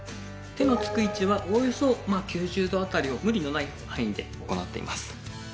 手のつく位置はおおよそ９０度辺りを無理のない範囲で行っています。